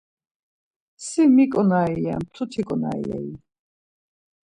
Si mi ǩonari re, mtuti ǩonari rei?